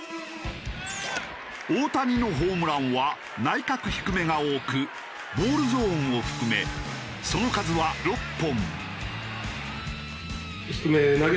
大谷のホームランは内角低めが多くボールゾーンを含めその数は６本。